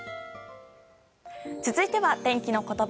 続いては、天気のことば。